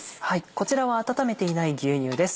こちらは温めていない牛乳です